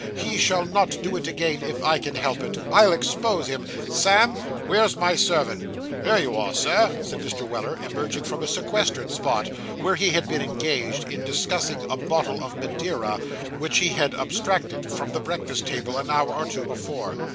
He shall not do it again, if I can help it; I'll expose him! Sam! Where's my servant?' 'Here you are, Sir,' said Mr. Weller, emerging from a sequestered spot, where he had been engaged in discussing a bottle of Madeira, which he had abstracted from the breakfast table an hour or two before.